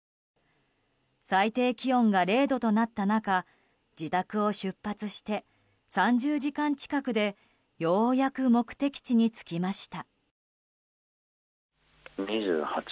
最低気温が０度となった中自宅を出発して３０時間近くでようやく目的地に着きました。